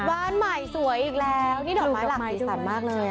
บ้านใหม่สวยอีกแล้วนี่ดอกไม้หลักสีสันมากเลย